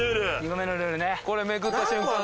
これめくった瞬間